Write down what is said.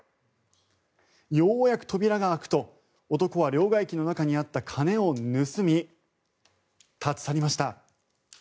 ようやく扉が開くと男は両替機の中にあった金を盗み立ち去りました。